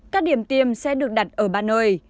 các điểm tiêm sẽ được đặt ở ba nơi